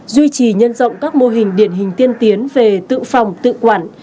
duy trì nhân rộng các mô hình điển hình tiên tiến về tự phòng tự quản